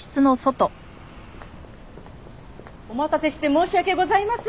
お待たせして申し訳ございません。